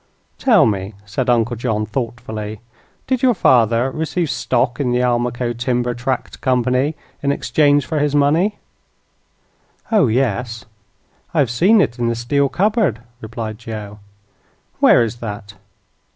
"Tell me," said Uncle John, thoughtfully, "did your father receive stock in the Almaquo Timber Tract Company in exchange for his money?" "Oh, yes; I have seen it in the steel cupboard," replied Joe. "Where is that?"